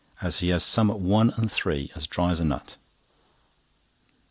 as he has some at one and three, as dry as a nut!"